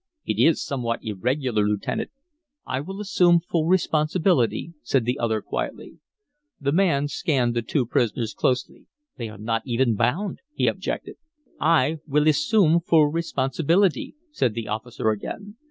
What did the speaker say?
"It is somewhat irregular, lieutenant." "I will assume full responsibility," said the other, quietly. The man scanned the two prisoners closely. "They are not even bound," he objected. "I will assume full responsibility," said the officer again.